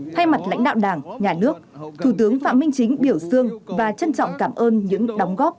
thay mặt lãnh đạo đảng nhà nước thủ tướng phạm minh chính biểu dương và trân trọng cảm ơn những đóng góp